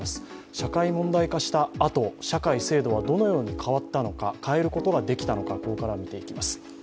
社会問題化したあと社会・制度はどのように変わったのか変えることができたのか、見ていきます。